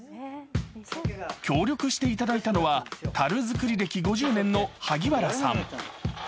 協力していただいたのは樽作り歴５０年の萩原さん。